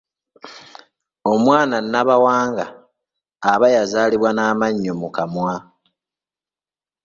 Omwana Nabawanga aba yazaalibwa n'amannyo mu kamwa.